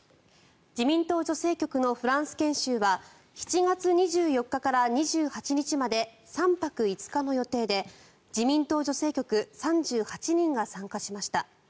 自民党女性局のフランス研修は７月２４日から２８日まで３泊５日の予定で自民党女性局３８人が参加しました。